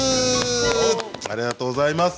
ありがとうございます。